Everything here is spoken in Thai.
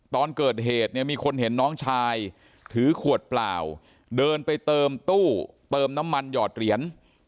ตอนเกิดเหตุเนี่ยมีคนเห็นน้องชายถือขวดเปล่าเดินไปเติมตู้เติมน้ำมันหยอดเหรียญ